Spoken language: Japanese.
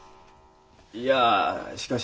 いやしかし。